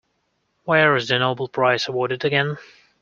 Where is the Nobel Prize awarded again?